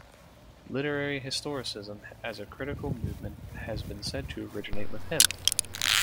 Literary historicism as a critical movement has been said to originate with him.